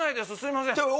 すいません